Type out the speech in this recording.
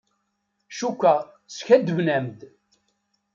Cukkeɣ skaddben-am-d.